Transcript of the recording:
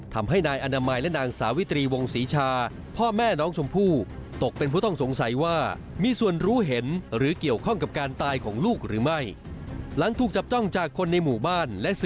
ทำให้นายอนามัยและนางสาวิตรีวงศีชา